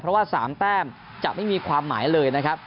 เพราะว่า๓แต้มจะไม่มีความหมายเลยนะครับ